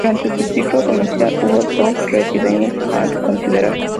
Durante su ciclo comercial hubo dos rediseños a considerar.